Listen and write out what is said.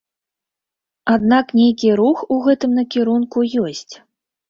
Аднак нейкі рух у гэтым накірунку ёсць.